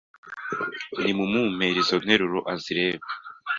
Nimumumpere izo nteruro azirebe